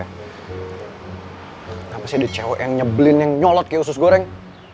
kenapa sih di cewek yang nyebelin yang nyolot kayak usus goreng